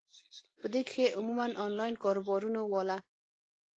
پۀ دې کښې عموماً انلائن کاروبارونو واله ،